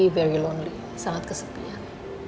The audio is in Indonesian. sangat lelah sangat kesepian